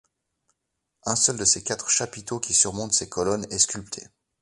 Un seul de ses quatre chapiteaux qui surmontent ces colonnes est sculpté.